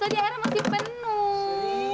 tadi airnya masih penuh